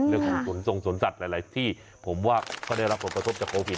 เรื่องของสวนทรงสวนสัตว์หลายที่ผมว่าเขาได้รับผลกระทบจากโควิด